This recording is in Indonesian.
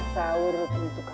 kita dalam puasa hari pertama